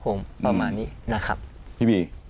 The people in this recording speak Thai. พฤษภาพมเช่นนี้